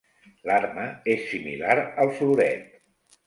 L'arma és similar al floret.